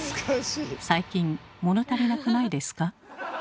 最近物足りなくないですか？